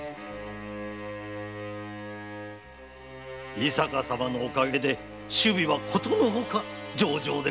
井坂様のおかげで首尾は殊の外上々でございます。